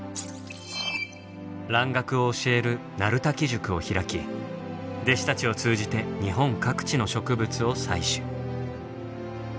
蘭学を教える鳴滝塾を開き弟子たちを通じて日本各地の植物を採取。